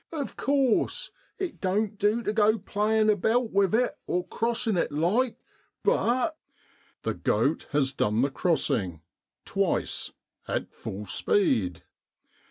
" Of course, it don't do to go playing about with it, or crossing it like, but "" The goat has done the crossing. Twice — at full speed."